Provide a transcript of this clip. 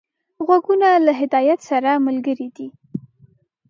غوږونه له هدایت سره ملګري دي